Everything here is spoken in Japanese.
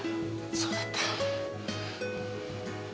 そうだった。